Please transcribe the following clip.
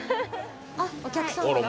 あっお客様が。